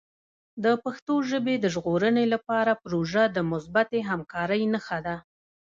د پښتو ژبې د ژغورنې لپاره پروژه د مثبتې همکارۍ نښه ده.